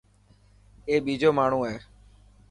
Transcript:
اي ٻيجو ماڻهو هي.